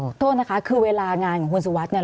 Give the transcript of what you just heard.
โทษนะคะคือเวลางานของคุณสุวัสดิเนี่ย